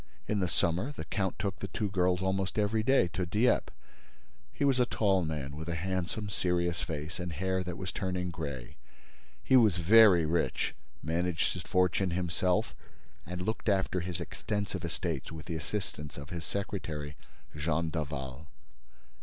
In the summer, the count took the two girls almost every day to Dieppe. He was a tall man, with a handsome, serious face and hair that was turning gray. He was very rich, managed his fortune himself and looked after his extensive estates with the assistance of his secretary, Jean Daval.